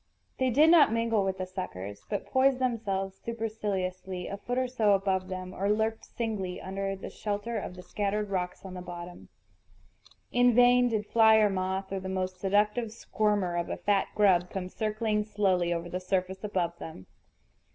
They did not mingle with the suckers, but poised themselves superciliously a foot or so above them, or lurked singly under the shelter of the scattered rocks on the bottom. In vain did fly or moth, or the most seductive squirmer of a fat grub, come circling slowly over the surface above them.